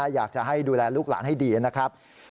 อยากจะให้ดูแลลูกหลานให้ดีนะครับ